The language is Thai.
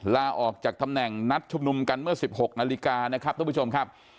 ลาออกจากตำแหน่งนัดชุมนุมกันเมื่อ๑๖นาฬิกานะครับทุกผู้ชมครับ